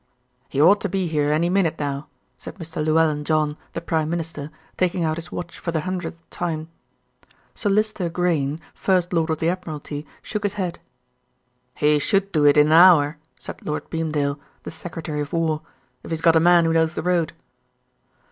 "He ought to be here any minute now," said Mr. Llewellyn John, the Prime Minister, taking out his watch for the hundredth time. Sir Lyster Grayne, First Lord of the Admiralty, shook his head. "He should do it in an hour," said Lord Beamdale, the Secretary of War, "if he's got a man who knows the road."